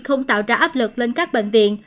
không tạo ra áp lực lên các bệnh viện